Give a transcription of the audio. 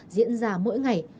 diễn ra mỗi ngày